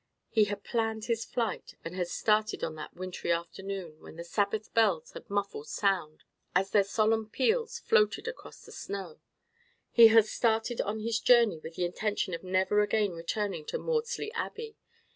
He had planned his flight, and had started on that wintry afternoon, when the Sabbath bells had a muffled sound, as their solemn peals floated across the snow—he had started on his journey with the intention of never again returning to Maudesley Abbey.